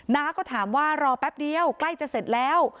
น้าก็ถามว่ารอแป๊บเดียวใกล้จะเสร็จแล้ว